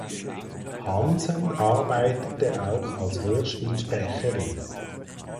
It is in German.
Hansen arbeitete auch als Hörspielsprecherin.